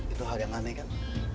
itu hal yang aneh kan